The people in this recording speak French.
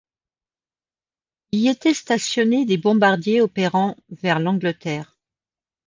Y étaient stationnés des bombardiers opérant vers l'Angleterre.